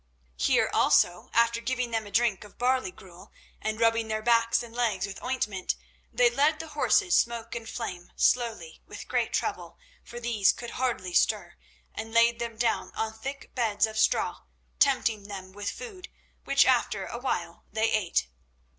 Here also, after giving them a drink of barley gruel, and rubbing their backs and legs with ointment, they led the horses Smoke and Flame, slowly and with great trouble, for these could hardly stir, and laid them down on thick beds of straw, tempting them with food, which after awhile they ate.